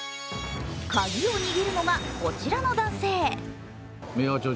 鍵を握るのがこちらの男性。